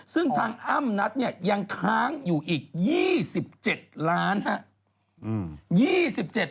ซึ่งทางอ้ำนัทยังค้างอยู่อีก๒๗ล้านบาท